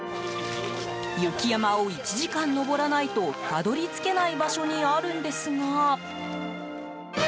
雪山を１時間登らないとたどり着けない場所にあるんですが。